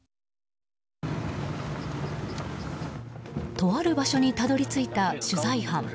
とある場所にたどり着いた取材班。